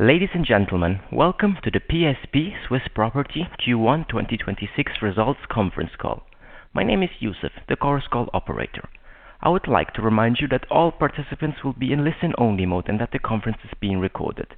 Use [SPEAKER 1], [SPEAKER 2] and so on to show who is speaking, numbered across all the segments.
[SPEAKER 1] Ladies and gentlemen, welcome to the PSP Swiss Property Q1 2026 results conference call. My name is Yusuf, the Chorus Call operator. I would like to remind you that all participants will be in listen-only mode and that the conference is being recorded.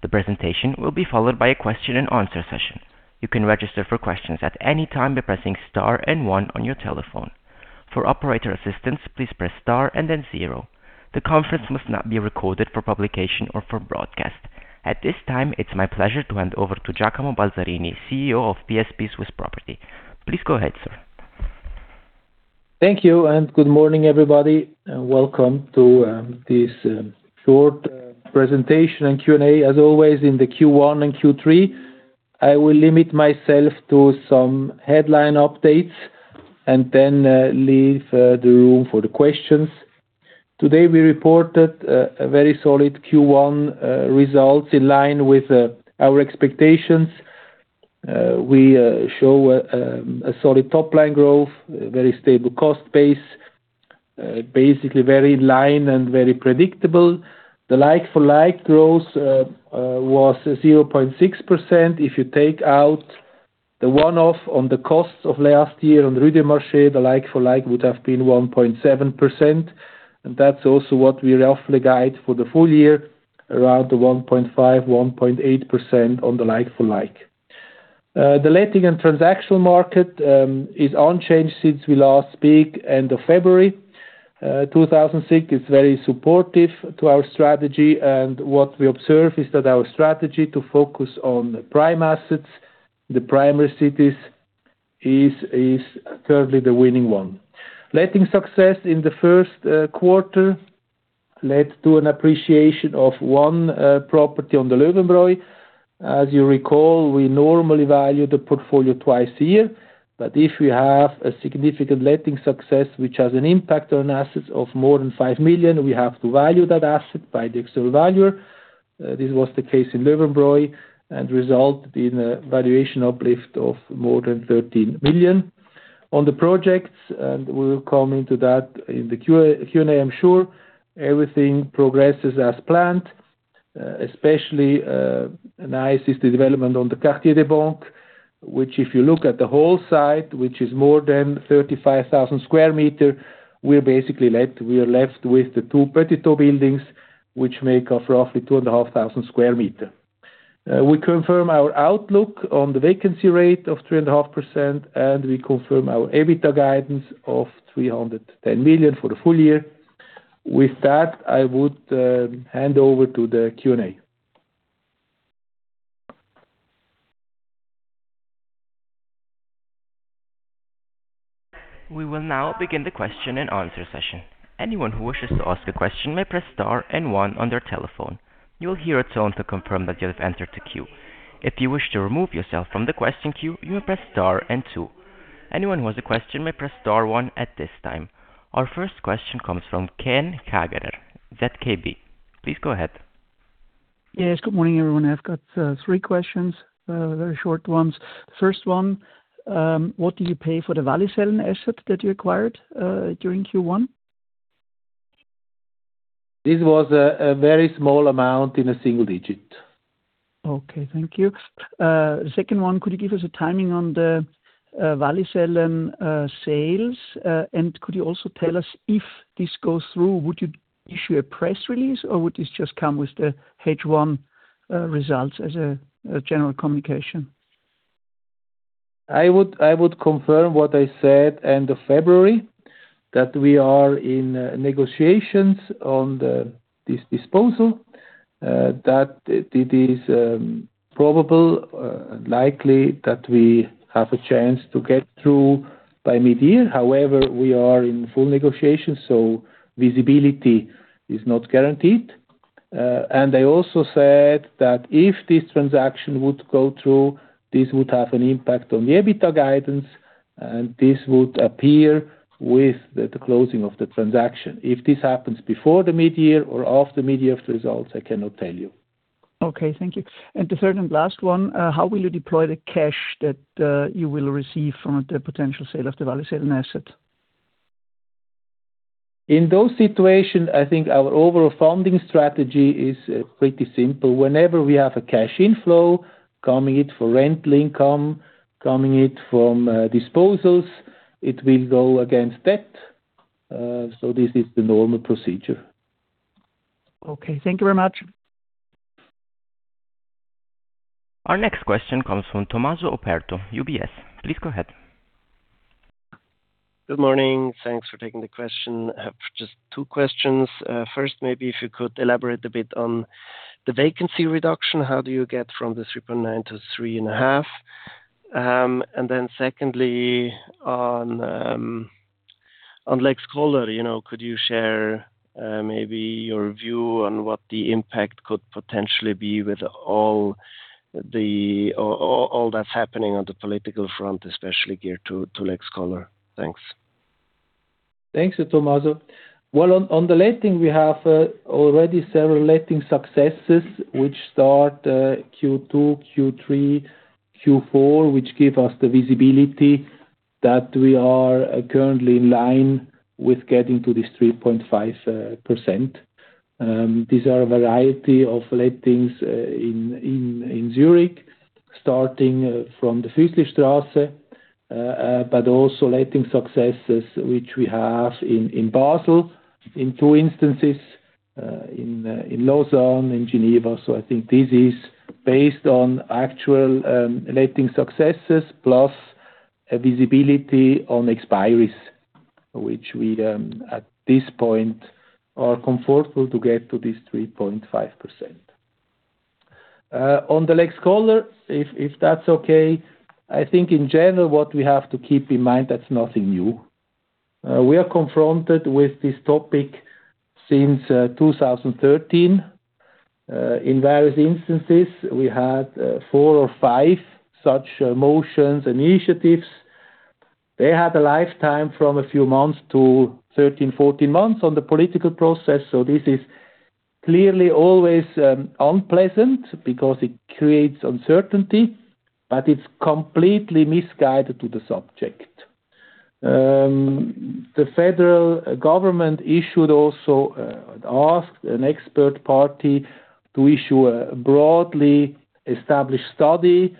[SPEAKER 1] The presentation will be followed by a question and answer session. You can register for questions at any time by pressing star one on your telephone. For operator assistance, please press star zero. The conference must not be recorded for publication or for broadcast. At this time, it's my pleasure to hand over to Giacomo Balzarini, CEO of PSP Swiss Property. Please go ahead, sir.
[SPEAKER 2] Thank you. Good morning, everybody, welcome to this short presentation and Q&A. As always, in the Q1 and Q3, I will limit myself to some headline updates, then leave the room for the questions. Today, we reported a very solid Q1 results in line with our expectations. We show a solid top-line growth, very stable cost base, basically very in line, very predictable. The like-for-like growth was 0.6%. If you take out the one-off on the costs of last year on Rue du Marché, the like-for-like would have been 1.7%. That's also what we roughly guide for the full year, around the 1.5%-1.8% on the like-for-like. The letting and transactional market is unchanged since we last speak end of February. 2006 is very supportive to our strategy, and what we observe is that our strategy to focus on prime assets, the primary cities is currently the winning one. Letting success in the first quarter led to an appreciation of 1 property on the Löwenbräu. As you recall, we normally value the portfolio twice a year, but if we have a significant letting success which has an impact on assets of more than 5 million, we have to value that asset by the external valuer. This was the case in Löwenbräu and result in a valuation uplift of more than 13 million. On the projects, and we will come into that in the Q&A, I'm sure, everything progresses as planned. Especially nice is the development on the Quartier des Banques, which if you look at the whole site, which is more than 35,000 sq m, we are left with the two Petitau buildings, which make up roughly 2,500 sq m. We confirm our outlook on the vacancy rate of 3.5%, and we confirm our EBITDA guidance of CHF 310 million for the full year. With that, I would hand over to the Q&A.
[SPEAKER 1] Our first question comes from Ken Kagerer, ZKB. Please go ahead.
[SPEAKER 3] Yes, good morning, everyone. I've got three questions, very short ones. First one, what do you pay for the Wallisellen asset that you acquired during Q1?
[SPEAKER 2] This was a very small amount in a single digit.
[SPEAKER 3] Okay, thank you. Second one, could you give us a timing on the Wallisellen sales? Could you also tell us if this goes through, would you issue a press release or would this just come with the H1 results as a general communication?
[SPEAKER 2] I would confirm what I said end of February, that we are in negotiations on this disposal, that it is probable, likely that we have a chance to get through by mid-year. However, we are in full negotiations, so visibility is not guaranteed. I also said that if this transaction would go through, this would have an impact on the EBITDA guidance, and this would appear with the closing of the transaction. If this happens before the mid-year or after mid-year of the results, I cannot tell you.
[SPEAKER 3] Okay, thank you. The third and last one, how will you deploy the cash that you will receive from the potential sale of the Wallisellen asset?
[SPEAKER 2] In those situations, I think our overall funding strategy is pretty simple. Whenever we have a cash inflow, coming it for rental income, coming it from disposals, it will go against that. This is the normal procedure.
[SPEAKER 3] Okay. Thank you very much.
[SPEAKER 1] Our next question comes from Tommaso Operto, UBS. Please go ahead.
[SPEAKER 4] Good morning. Thanks for taking the question. I have just two questions. First, maybe if you could elaborate a bit on the vacancy reduction, how do you get from the 3.9 to 3.5? Secondly, on Lex Koller, you know, could you share maybe your view on what the impact could potentially be with all that's happening on the political front, especially geared to Lex Koller? Thanks.
[SPEAKER 2] Thanks, Tommaso. Well, on the letting, we have already several letting successes which start Q2, Q3, Q4, which give us the visibility that we are currently in line with getting to this 3.5%. These are a variety of lettings in Zurich, starting from the Füsslistrasse, but also letting successes which we have in Basel, in two instances, in Lausanne, in Geneva. I think this is based on actual letting successes plus a visibility on expiries, which we at this point are comfortable to get to this 3.5%. On the Lex Koller, if that's okay, I think in general, what we have to keep in mind, that's nothing new. We are confronted with this topic since 2013. In various instances, we had four or five such motions initiatives. They had a lifetime from a few months to 13, 14 months on the political process. This is clearly always unpleasant because it creates uncertainty, but it's completely misguided to the subject. The Federal Government issued also asked an expert party to issue a broadly established study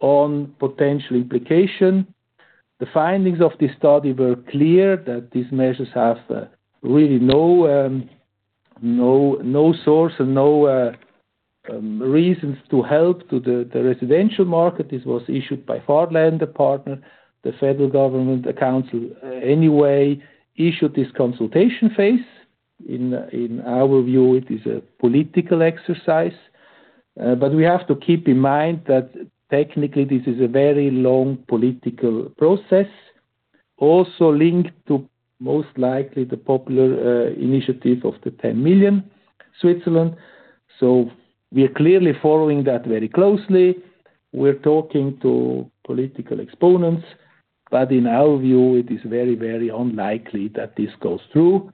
[SPEAKER 2] on potential implication. The findings of this study were clear that these measures have really no source and no reasons to help to the residential market. This was issued by Foreign Land Department, the Federal Government, the Council, anyway, issued this consultation phase. In our view, it is a political exercise. We have to keep in mind that technically this is a very long political process, also linked to most likely the popular initiative of the Ten Million Switzerland. We are clearly following that very closely. We're talking to political exponents. In our view, it is very, very unlikely that this goes through.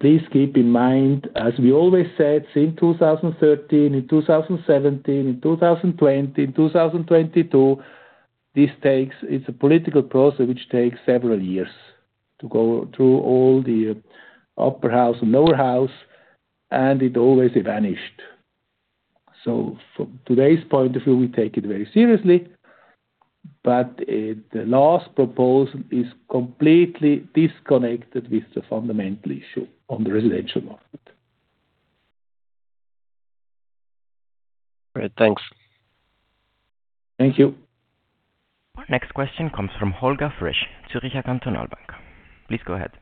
[SPEAKER 2] Please keep in mind, as we always said, since 2013, in 2017, in 2020, in 2022, it's a political process which takes several years to go through all the upper house and lower house. It always vanished. From today's point of view, we take it very seriously, the last proposal is completely disconnected with the fundamental issue on the residential market.
[SPEAKER 4] Great. Thanks.
[SPEAKER 2] Thank you.
[SPEAKER 1] Next question comes from Holger Frisch, Zürcher Kantonalbank. Please go ahead.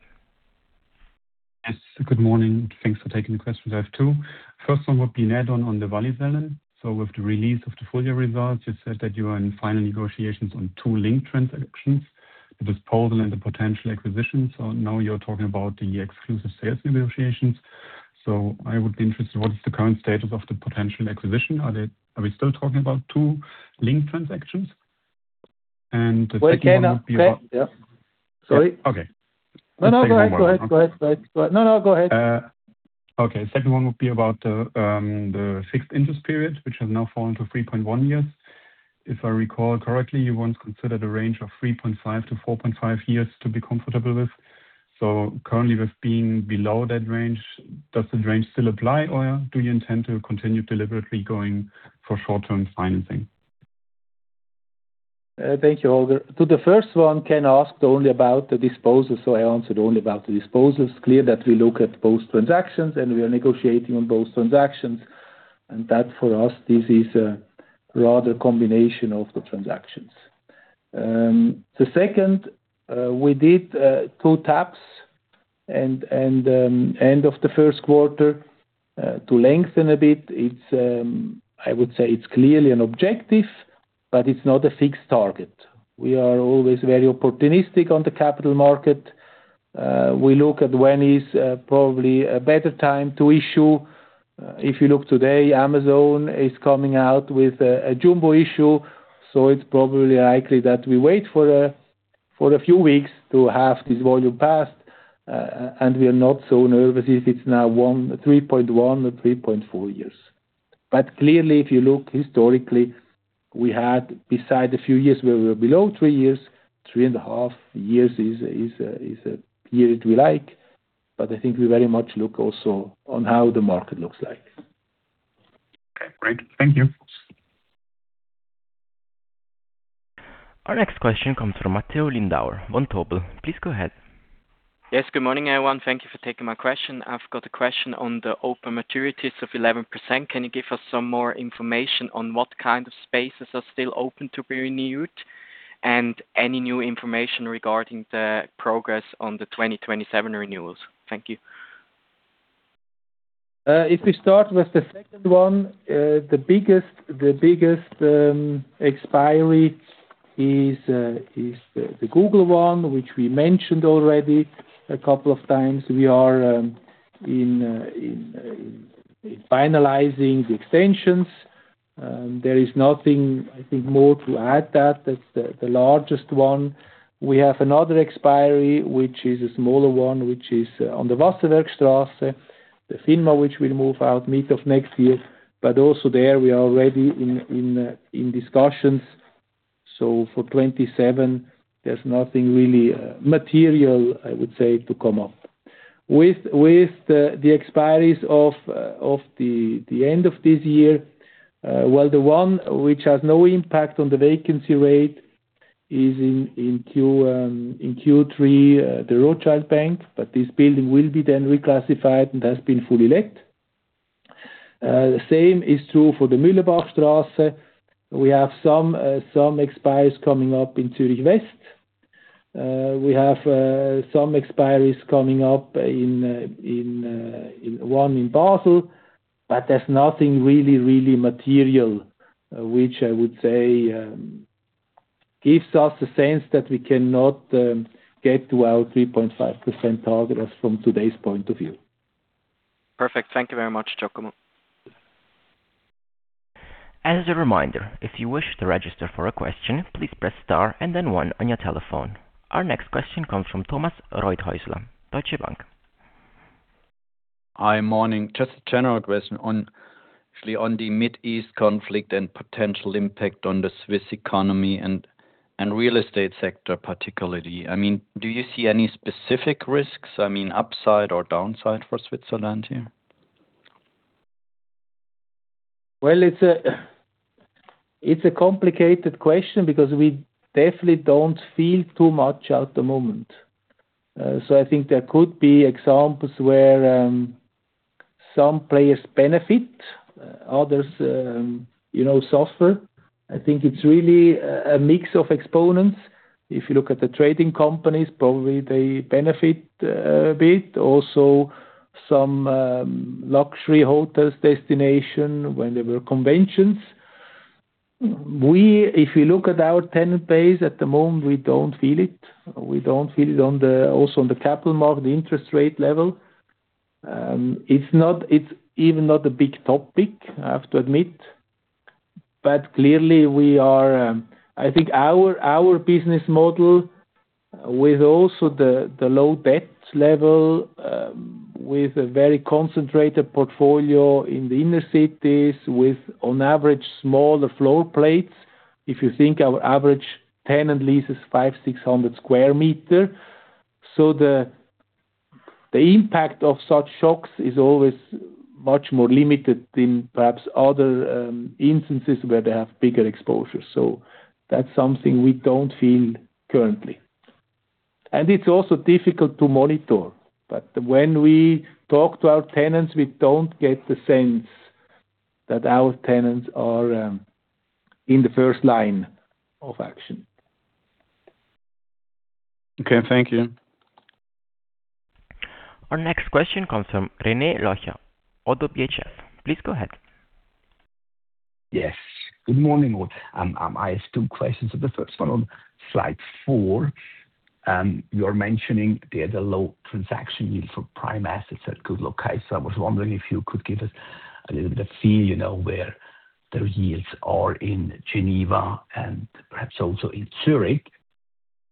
[SPEAKER 5] Yes. Good morning. Thanks for taking the questions. I have two. First one would be an add-on on the Wallisellen. With the release of the full year results, you said that you are in final negotiations on two like-for-like transactions. The disposal and the potential acquisition. Now you're talking about the exclusive sales negotiations. I would be interested, what is the current status of the potential acquisition? Are we still talking about two like-for-like transactions? The second one would be about-
[SPEAKER 2] Well, Ken, yeah. Sorry.
[SPEAKER 5] Okay.
[SPEAKER 2] No, no. Go ahead. Go ahead. Go ahead. No, no, go ahead.
[SPEAKER 5] Okay. Second one would be about the fixed interest period, which has now fallen to 3.1 years. If I recall correctly, you once considered a range of 3.5-4.5 years to be comfortable with. Currently, we've been below that range. Does the range still apply, or do you intend to continue deliberately going for short-term financing?
[SPEAKER 2] Thank you, Holger. To the first one, Ken asked only about the disposal, so I answered only about the disposals. Clear that we look at both transactions, and we are negotiating on both transactions, and that for us, this is a rather combination of the transactions. The second, we did two taps and, end of the first quarter, to lengthen a bit. It's, I would say it's clearly an objective, but it's not a fixed target. We are always very opportunistic on the capital market. We look at when is probably a better time to issue. If you look today, Amazon is coming out with a jumbo issue, so it's probably likely that we wait for a few weeks to have this volume passed. We are not so nervous if it's now 3.1 or 3.4 years. Clearly, if you look historically, we had beside a few years where we were below three years, three and a half years is a year that we like. I think we very much look also on how the market looks like.
[SPEAKER 5] Okay, great. Thank you.
[SPEAKER 1] Our next question comes from Matteo Lindauer, Vontobel. Please go ahead.
[SPEAKER 6] Yes, good morning, everyone. Thank you for taking my question. I've got a question on the open maturities of 11%. Can you give us some more information on what kind of spaces are still open to be renewed? Any new information regarding the progress on the 2027 renewals? Thank you.
[SPEAKER 2] If we start with the second one, the biggest expiry is the Google one, which we mentioned already a couple of times. We are in finalizing the extensions. There is nothing, I think, more to add that. That's the largest one. We have another expiry, which is a smaller one, which is on the Wasserwerkstraße. The FINMA which will move out mid of next year, also there we are already in discussions. For 2027, there's nothing really material, I would say, to come up. With the expiries of the end of this year, well, the one which has no impact on the vacancy rate is in Q3, the Rothschild Bank, but this building will be then reclassified and has been fully let. The same is true for the Mühlebachstrasse. We have some expiries coming up in Zürich West. We have some expiries coming up in one in Basel, but there's nothing really material, which I would say gives us a sense that we cannot get to our 3.5% target as from today's point of view.
[SPEAKER 6] Perfect. Thank you very much, Giacomo.
[SPEAKER 1] As a reminder, if you wish to register for a question, please press star and then one on your telephone. Our next question comes from Thomas Rothäusler, Deutsche Bank.
[SPEAKER 7] Hi, morning. Just a general question on actually on the Mid East conflict and potential impact on the Swiss economy and real estate sector particularly. I mean, do you see any specific risks, I mean upside or downside for Switzerland here?
[SPEAKER 2] Well, it's a, it's a complicated question because we definitely don't feel too much at the moment. I think there could be examples where, some players benefit, others, you know, suffer. I think it's really a mix of exponents. If you look at the trading companies, probably they benefit a bit. Also some, luxury hotels destination when there were conventions. If you look at our tenant base at the moment, we don't feel it. We don't feel it also on the capital market, the interest rate level. It's even not a big topic, I have to admit. Clearly, we are, I think our business model with also the low debt level, with a very concentrated portfolio in the inner cities, with on average smaller floor plates. If you think our average tenant leases 5, 600 sq m. The impact of such shocks is always much more limited than perhaps other instances where they have bigger exposure. That's something we don't feel currently. It's also difficult to monitor. When we talk to our tenants, we don't get the sense that our tenants are in the first line of action.
[SPEAKER 7] Okay. Thank you.
[SPEAKER 1] Our next question comes from René Locher, Oddo BHF. Please go ahead.
[SPEAKER 8] Yes. Good morning all. I have two questions. The first one on slide four, you're mentioning there's a low transaction yield for prime assets at good location. I was wondering if you could give us a little bit of feel, you know, where the yields are in Geneva and perhaps also in Zürich.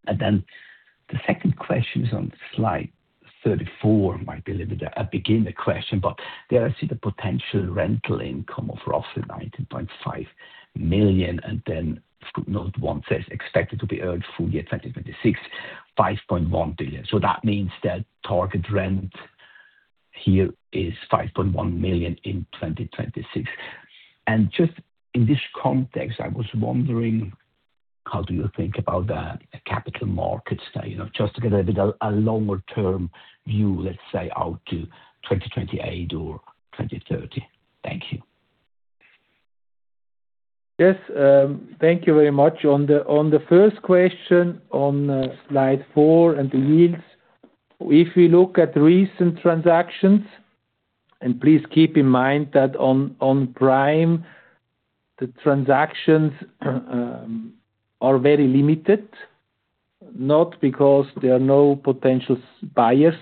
[SPEAKER 8] The second question is on slide 34. It might be a little bit a beginner question, but there I see the potential rental income of roughly 19.5 million, and then footnote one says, "Expected to be earned full year 2026, 5.1 million." That means that target rent here is 5.1 million in 2026. Just in this context, I was wondering, how do you think about the capital markets, you know, just to get a bit a longer term view, let's say, out to 2028 or 2030. Thank you.
[SPEAKER 2] Yes. Thank you very much. On the first question on slide four and the yields, if we look at recent transactions, please keep in mind that on prime, the transactions are very limited, not because there are no potential buyers,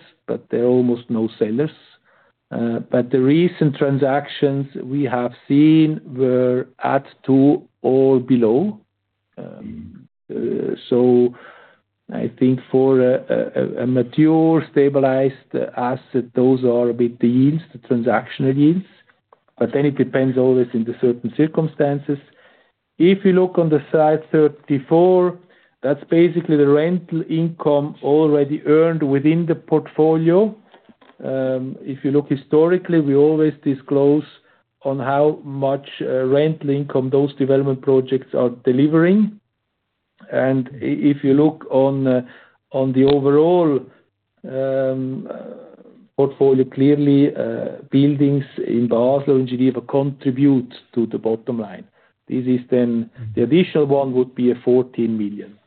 [SPEAKER 2] there are almost no sellers. The recent transactions we have seen were at two or below. I think for a mature stabilized asset, those are a bit the yields, the transactional yields. It depends always in the certain circumstances. If you look on the slide 34, that's basically the rental income already earned within the portfolio. If you look historically, we always disclose on how much rental income those development projects are delivering. If you look on the overall portfolio, clearly, buildings in Basel and Geneva contribute to the bottom line. This is the additional one would be 14 million.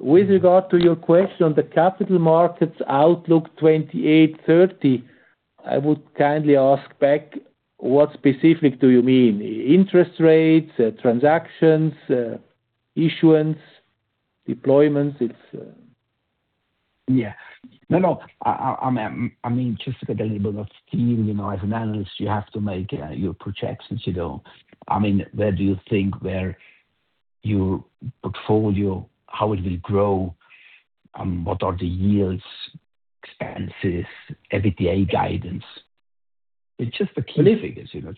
[SPEAKER 2] With regard to your question, the capital markets outlook 28, 30, I would kindly ask back, what specific do you mean? Interest rates, transactions, issuance, deployments?
[SPEAKER 8] No, I mean, just to get a little bit of feel. You know, as an analyst, you have to make your projections, you know. I mean, where do you think we're? Your portfolio, how it will grow, what are the yields, expenses, EBITDA guidance. It's just the key figures, you know.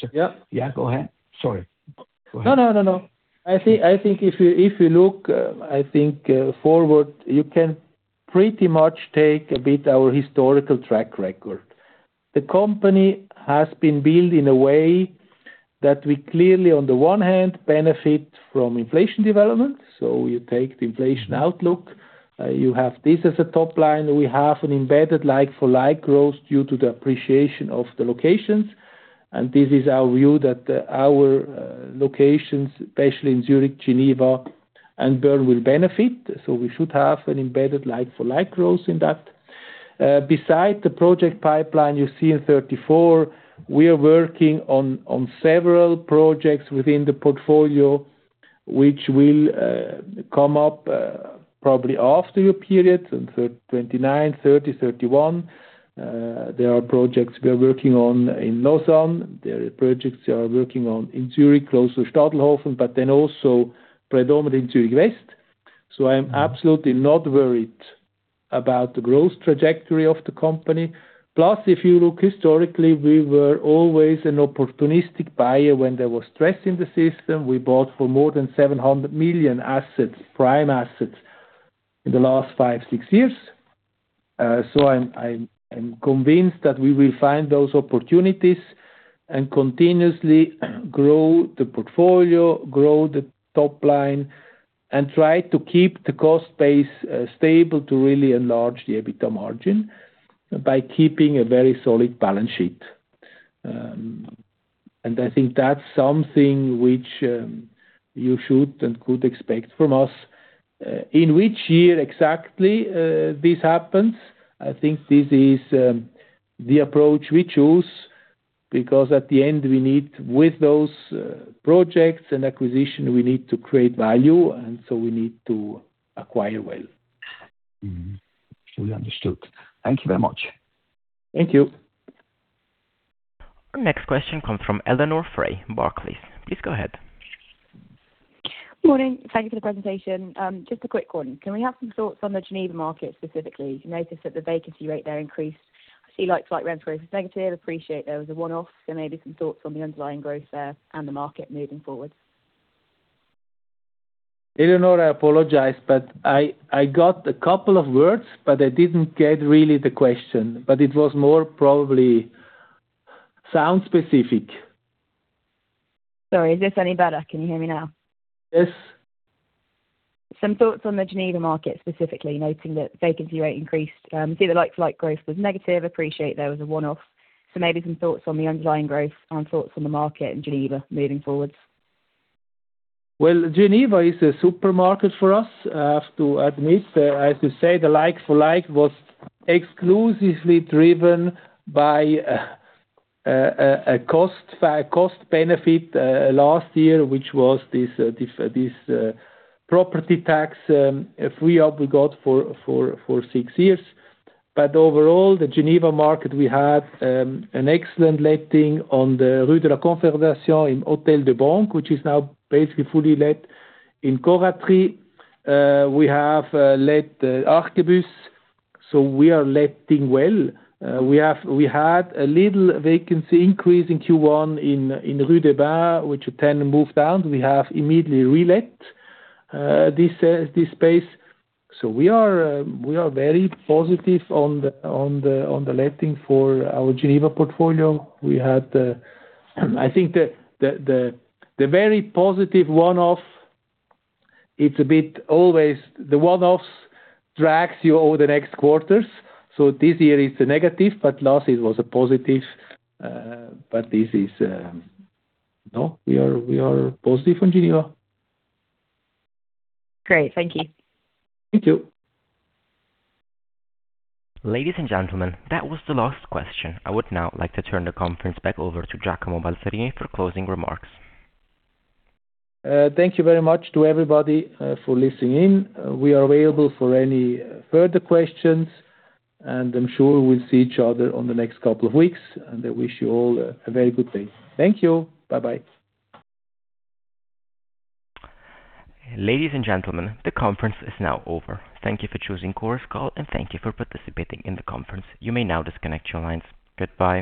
[SPEAKER 2] Yeah.
[SPEAKER 8] Go ahead. Sorry. Go ahead.
[SPEAKER 2] No, no, no. I think if you look forward, you can pretty much take a bit our historical track record. The company has been built in a way that we clearly, on the one hand, benefit from inflation development. You take the inflation outlook, you have this as a top line. We have an embedded like-for-like growth due to the appreciation of the locations. This is our view that our locations, especially in Zurich, Geneva, and Bern will benefit. We should have an embedded like-for-like growth in that. Beside the project pipeline you see in 34, we are working on several projects within the portfolio, which will come up probably after your period, in 2029, 2030, 2031. There are projects we are working on in Lausanne. There are projects we are working on in Zurich, close to Stadelhofen, also predominantly in Zurich West. I am absolutely not worried about the growth trajectory of the company. If you look historically, we were always an opportunistic buyer. When there was stress in the system, we bought for more than 700 million assets, prime assets in the last five, six years. I'm convinced that we will find those opportunities and continuously grow the portfolio, grow the top line, and try to keep the cost base stable to really enlarge the EBITDA margin by keeping a very solid balance sheet. I think that's something which you should and could expect from us. In which year exactly, this happens, I think this is the approach we choose, because at the end, we need those projects and acquisition, we need to create value. We need to acquire well.
[SPEAKER 8] Mm-hmm. Sure. Understood. Thank you very much.
[SPEAKER 2] Thank you.
[SPEAKER 1] Our next question comes from Eleanor Frew, Barclays. Please go ahead.
[SPEAKER 9] Morning. Thank you for the presentation. Just a quick one. Can we have some thoughts on the Geneva market specifically? You noticed that the vacancy rate there increased. I see like-for-like rent growth is negative. Appreciate there was a one-off. Maybe some thoughts on the underlying growth there and the market moving forward.
[SPEAKER 2] Eleanor, I apologize, I got a couple of words, I didn't get really the question. It was more probably sound specific.
[SPEAKER 9] Sorry, is this any better? Can you hear me now?
[SPEAKER 2] Yes.
[SPEAKER 9] Some thoughts on the Geneva market specifically, noting that vacancy rate increased. See the like-for-like growth was negative. Appreciate there was a one-off. Maybe some thoughts on the underlying growth and thoughts on the market in Geneva moving forward.
[SPEAKER 2] Well, Geneva is a super market for us. I have to admit, I have to say the like-for-like was exclusively driven by a cost, by a cost benefit last year, which was this property tax free up we got for six years. Overall, the Geneva market, we had an excellent letting on the Rue de la Confédération in Hôtel de Banque, which is now basically fully let. In Corraterie, we have let Archibus, so we are letting well. We had a little vacancy increase in Q1 in Rue des Bains, which then moved down. We have immediately relet this space. We are very positive on the letting for our Geneva portfolio. We had, I think the very positive one-off, it's a bit always the one-offs drags you over the next quarters. This year it's a negative, but last year it was a positive. This is No, we are, we are positive on Geneva.
[SPEAKER 9] Great. Thank you.
[SPEAKER 2] Thank you.
[SPEAKER 1] Ladies and gentlemen, that was the last question. I would now like to turn the conference back over to Giacomo Balzarini for closing remarks.
[SPEAKER 2] Thank you very much to everybody, for listening in. We are available for any further questions, and I'm sure we'll see each other on the next couple of weeks, and I wish you all a very good day. Thank you. Bye-bye.
[SPEAKER 1] Ladies and gentlemen, the conference is now over. Thank you for choosing Chorus Call, and thank you for participating in the conference. You may now disconnect your lines. Goodbye.